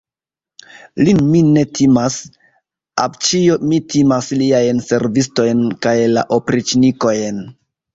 Lin mi ne timas, avĉjo, mi timas liajn servistojn kaj la opriĉnikojn.